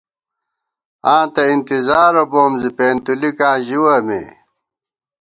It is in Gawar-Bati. آں تہ انتِظارہ بوم زی ، پېنتُلِکاں ژِوَہ مے